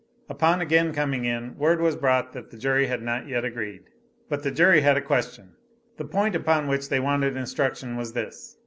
Upon again coming in, word was brought that the jury had not yet agreed. But the jury had a question. The point upon which they wanted instruction was this.